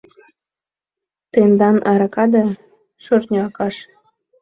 — Тендан аракада — шӧртньӧ акаш.